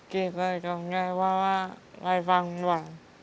เก่งเลยน้องแจ๊กว่าลายฟังหว่า